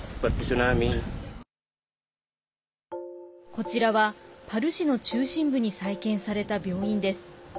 こちらは、パル市の中心部に再建された病院です。